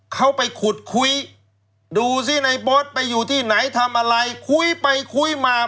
เขาไปขุดคุยดูสิในบอสไปอยู่ที่ไหนทำอะไรคุยไปคุยมา